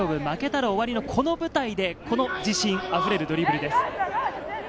負けたら終わりのこの舞台でこの自信溢れるドリブルです。